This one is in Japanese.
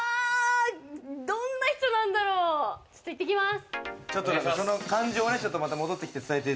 どんな人なんだろう？いってきます。